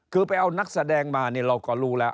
คือไปเอานักแสดงมาเนี่ยเราก็รู้แล้ว